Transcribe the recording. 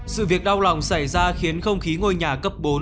sự việc đau lòng xảy ra khiến không khí ngôi nhà cấp bốn